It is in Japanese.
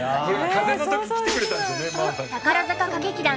宝塚歌劇団